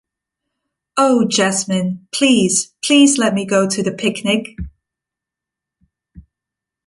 Oh, Jasmine, please, please, let me go to the picnic.